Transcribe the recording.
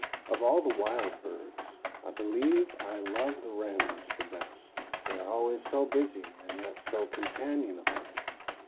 Of all the wild birds, I believe I love the wrens the best. They are always so busy and yet so companionable.